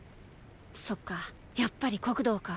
そっかやっぱり黒道か。